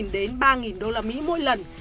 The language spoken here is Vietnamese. đến ba usd mỗi lần